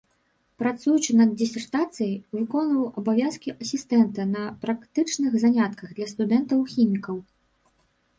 Працуючы над дысертацыяй, выконваў абавязкі асістэнта на практычных занятках для студэнтаў хімікаў.